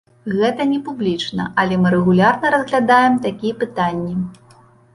Гэта не публічна, але мы рэгулярна разглядаем такія пытанні.